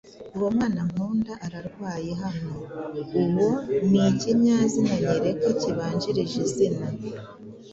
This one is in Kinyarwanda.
Uwo mwana nkunda ararwaye hano “uwo” ni ikinyazina nyereka kibanjirije izina)